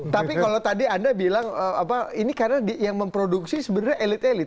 tapi kalau tadi anda bilang ini karena yang memproduksi sebenarnya elit elit